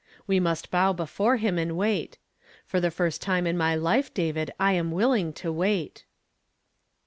We must bow before him and wait. For the first time in my life, David, I am willing to wait."